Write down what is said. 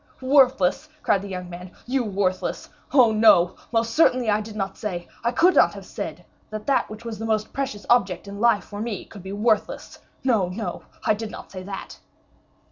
"Worthless," cried the young man; "you worthless! Oh, no; most certainly I did not say, I could not have said, that that which was the most precious object in life for me could be worthless. No, no; I did not say that."